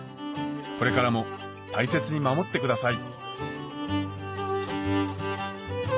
これからも大切に守ってください